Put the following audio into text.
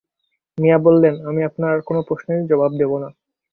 মিয়া বললেন আমি আপনার আর কোনো প্রশ্নেরই জবাব দেব না।